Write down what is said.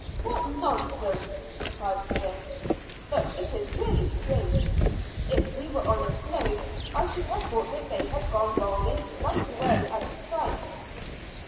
"What nonsense!" cried Chris. "But it is really strange. If we were on a slope I should have thought that they had gone rolling right away out of sight."